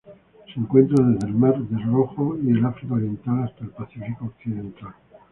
Se encuentra desde el Mar Rojo y el África Oriental hasta el Pacífico occidental.